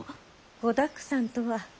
子だくさんとは。